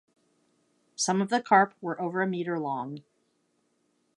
Some of the carp were over a meter long.